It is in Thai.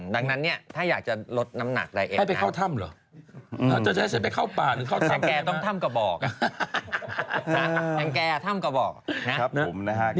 ดังนั้นเนี่ยถ้าอยากจะลดน้ำหนักใดเอกน้อย